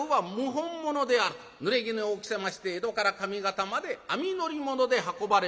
ぬれぎぬを着せまして江戸から上方まで網乗り物で運ばれます。